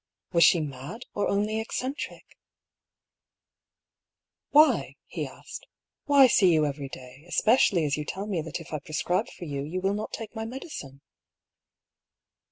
Was she mad, or only eccentric ?" Why ?" he asked. " Why see you every day, espe cially as you tell me that if I prescribe for you, you will not take my medicine